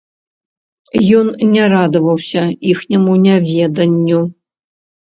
Ён не радаваўся іхняму няведанню.